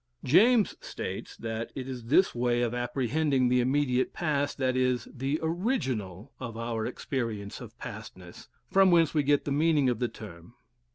James states that it is this way of apprehending the immediate past that is "the ORIGINAL of our experience of pastness, from whence we get the meaning of the term"("Psychology," i, p.